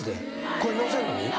これ載せんのに？